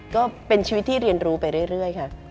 ก็เป็นชีวิตที่เรียนรู้ไปเรื่อยค่ะ